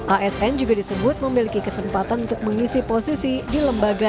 asn juga disebut memiliki kesempatan untuk mengisi posisi di lembaga